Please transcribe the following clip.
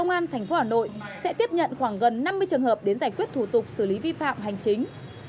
công an tp hà nội sẽ tiếp nhận khoảng gần năm mươi trường hợp đến giải quyết thủ tục xử lý vi phạm hành chính